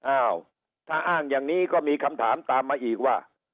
อ้าวถ้าอ้างอย่างนี้ก็มีคำถามตามมาอีกว่า